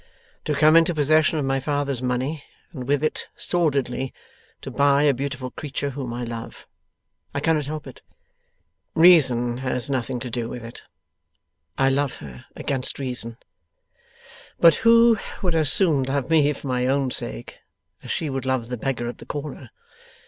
To come into possession of my father's money, and with it sordidly to buy a beautiful creature whom I love I cannot help it; reason has nothing to do with it; I love her against reason but who would as soon love me for my own sake, as she would love the beggar at the corner.